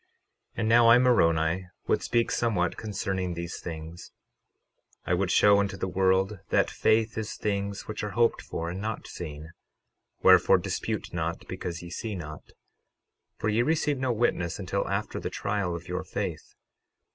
12:6 And now, I, Moroni, would speak somewhat concerning these things; I would show unto the world that faith is things which are hoped for and not seen; wherefore, dispute not because ye see not, for ye receive no witness until after the trial of your faith.